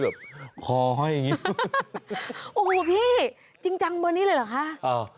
อู้พี่จริงจังเบาะนี้เลยหรอ